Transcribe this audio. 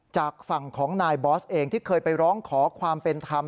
จากฝั่งของนายบอสเองที่เคยไปร้องขอความเป็นธรรม